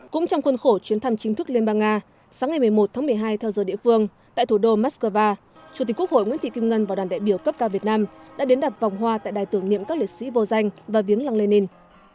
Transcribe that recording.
cũng trong khuôn khổ chuyến thăm chính thức liên bang nga sáng ngày một mươi một tháng một mươi hai theo giờ địa phương tại thủ đô moscow chủ tịch quốc hội nguyễn thị kim ngân và đoàn đại biểu cấp cao việt nam đã đến đặt vòng hoa tại đài tưởng niệm các liệt sĩ vô danh và viếng lăng lenin